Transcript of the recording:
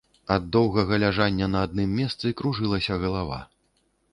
Ад доўгага ляжання на адным месцы кружылася галава.